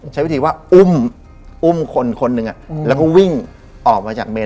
ใช้วิธีว่าอุ้มอุ้มคนคนหนึ่งแล้วก็วิ่งออกมาจากเมน